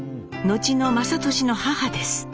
後の雅俊の母です。